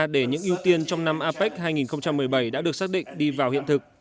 để những ưu tiên trong năm apec hai nghìn một mươi bảy đã được xác định đi vào hiện thực